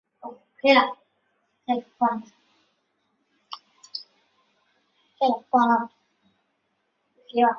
这种集中涌出可能导致在月丘峰顶形成了一座喷口坑。